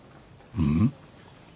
うん？